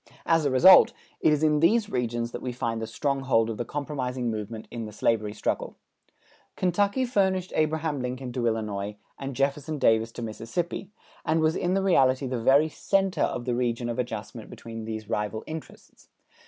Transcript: As a result, it is in these regions that we find the stronghold of the compromising movement in the slavery struggle. Kentucky furnished Abraham Lincoln to Illinois, and Jefferson Davis to Mississippi, and was in reality the very center of the region of adjustment between these rival interests.